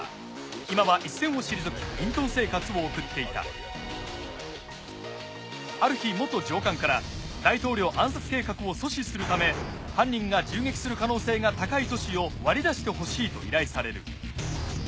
今は一線を退き隠とん生活を送っていたある日元上官から大統領暗殺計画を阻止するため犯人が銃撃する可能性が高い都市を割り出してほしいと依頼される